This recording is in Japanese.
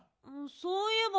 そういえば。